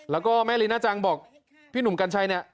แล้วก็แม่ลีน่าจังบอกพี่หนุ่มกัญชัยเนี่ย